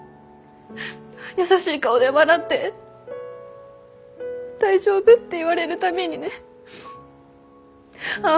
優しい顔で笑って大丈夫って言われる度にねああ